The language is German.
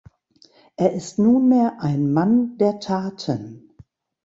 Er ist nunmehr ein "„Mann der Taten“".